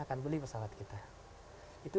akan beli pesawat kita itu